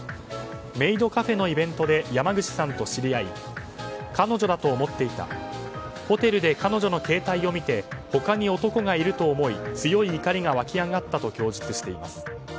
メイドカフェのイベントで山口さんと知り合い彼女だと思っていたホテルで彼女の携帯を見て他に男がいると思い強い怒りが湧き上がったと供述しています。